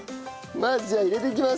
まずじゃあ入れていきます。